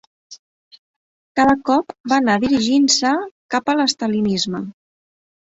Cada cop va anar dirigint-se cap a l'estalinisme.